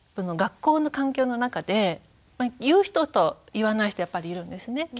学校の環境の中で言う人と言わない人やっぱりいるんですね。